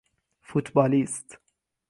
فوتبالیست